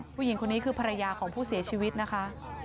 ผู้หญิงคนนี้คือภรรยาของผู้เสียชีวิตนะคะ